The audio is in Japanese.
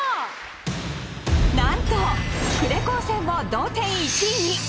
なんと呉高専も同点１位に！